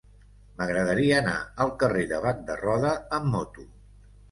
M'agradaria anar al carrer de Bac de Roda amb moto.